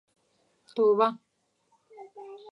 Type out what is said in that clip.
توبه.